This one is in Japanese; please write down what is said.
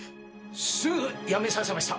すぐやめさせました。